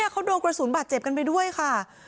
เขาโดนกระสุนบาดเจ็บกันไปด้วยค่ะ